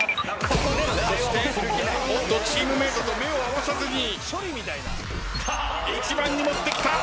そしておっとチームメートと目を合わさずに１番に持ってきた。